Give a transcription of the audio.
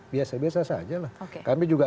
biasa biasa saja lah kami juga